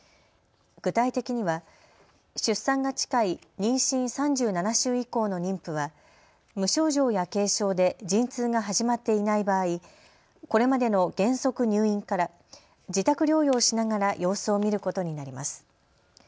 具体的には出産が近い妊娠３７週以降の妊婦は無症状や軽症で陣痛が始まっていない場合、これまでの原則入院から自宅療養しながら様子を見ることになります。